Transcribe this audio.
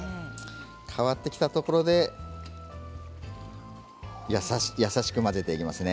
変わってきたところで優しく混ぜていきますね。